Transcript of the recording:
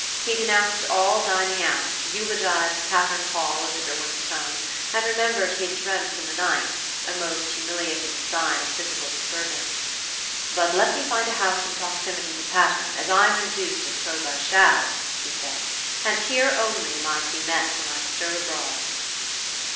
He denounced all dining out, eulogized Patterne Hall as if it were his home, and remembered he had dreamed in the night a most humiliating sign of physical disturbance. "But let me find a house in proximity to Patterne, as I am induced to suppose I shall," he said, "and here only am I to be met when I stir abroad."